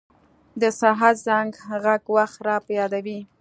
د ساعت زنګ ږغ وخت را په یادوي.